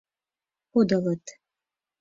Подылыт.